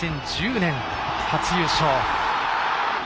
２０１０年、初優勝。